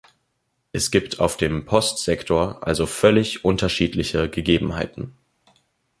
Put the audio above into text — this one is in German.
Es gibt auf dem Postsektor also völlig unterschiedliche Gegebenheiten.